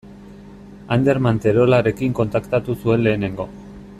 Ander Manterolarekin kontaktatu zuen lehenengo.